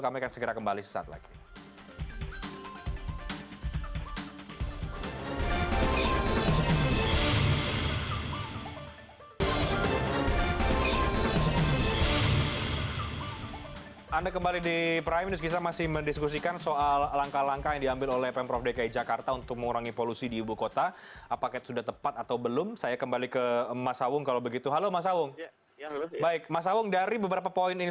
kami akan segera kembali sesaat lagi